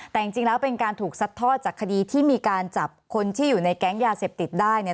แต่จริงแล้วเป็นการถูกซัดทอดจากคดีที่มีการจับคนที่อยู่ในแก๊งยาเสพติดได้เนี่ย